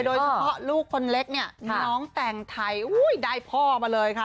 โดยเฉพาะลูกคนเล็กเนี่ยน้องแต่งไทยได้พ่อมาเลยค่ะ